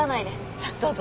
さどうぞ。